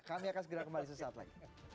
kami akan segera kembali sesaat lagi